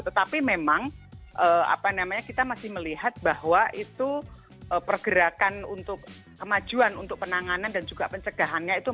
tetapi memang kita masih melihat bahwa itu pergerakan untuk kemajuan untuk penanganan dan juga pencegahannya itu